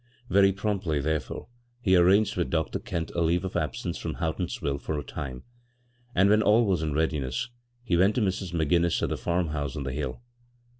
Very promptly, therefore, he arranged with Dr. Kent a leave of absence from Houghtons ville for a time, and when all was in readi ness he went to Mrs. McGinnis at the farm house on the hill.